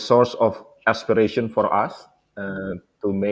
sumber aspirasi untuk kita